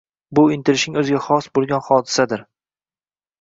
Bu intilishining oʻziga xos boʻlgan hodisasidir.